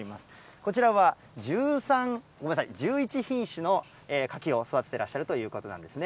こちらは１１品種の柿を育ててらっしゃるということなんですね。